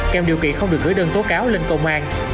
keo điều kiện không được gửi đơn tố cáo lên công an